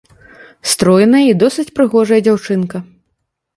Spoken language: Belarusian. Стройная і досыць прыгожая дзяўчынка.